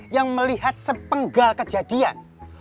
yang melihat sepenggal kejadian